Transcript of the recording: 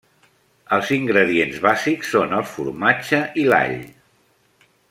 Els ingredients bàsics són el formatge i l'all.